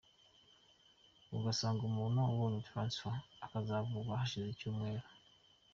Ugasanga umuntu abonye Transfert, akazavurwa hashize ibyumweru.